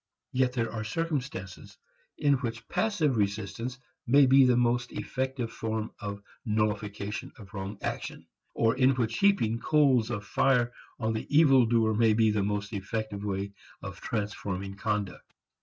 Yet there are circumstances in which passive resistance may be the most effective form of nullification of wrong action, or in which heaping coals of fire on the evil doer may be the most effective way of transforming conduct.